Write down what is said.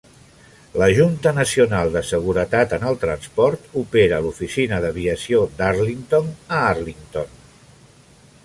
La Junta Nacional de Seguretat en el Transport opera l'oficina d'aviació d'Arlington a Arlington.